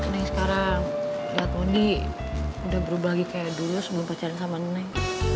neng sekarang lihat mondi udah berubah lagi kayak dulu sebelum pacaran sama neng